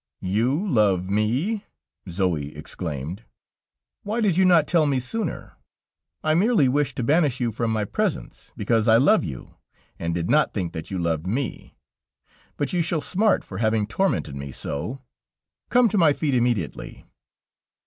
"You love me!" Zoë exclaimed. "Why did you not tell me sooner? I merely wished to banish you from my presence, because I love you, and did not think that you loved me. But you shall smart for having tormented me so. Come to my feet immediately."